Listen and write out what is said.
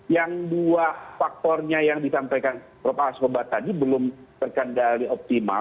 yang dua faktornya yang disampaikan prof askobat tadi belum terkendali optimal